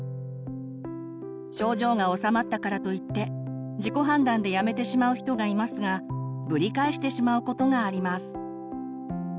症状がおさまったからといって自己判断でやめてしまう人がいますがぶり返してしまうことがあります。